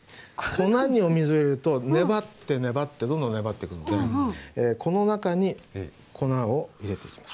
粉にお水を入れると粘って粘ってどんどん粘っていくのでこの中に粉を入れていきます。